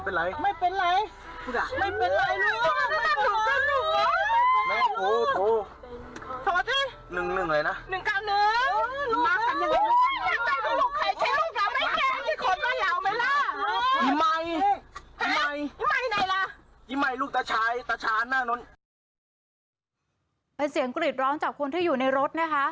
เป็นเสียงกรีดร้องจากคนที่อยู่ในรถนะคะ